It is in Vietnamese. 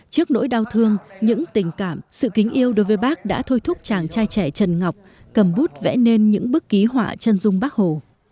trước nỗi đau thương những tình cảm sự kính yêu đối với bác đã thôi thúc chàng trai trẻ trần ngọc cầm bút vẽ nên những bức ký họa chân dung bác hồ